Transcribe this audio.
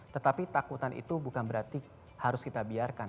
tetapi takutan itu bukan berarti harus kita biarkan